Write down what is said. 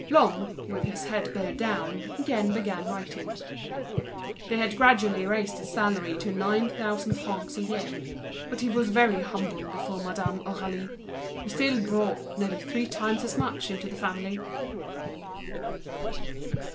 Lhomme, with his head bowed down, had resumed writing. They had gradually raised his salary to nine thousand francs a year; and he was very humble before Madame Aurélie, who still brought nearly triple as much into the family.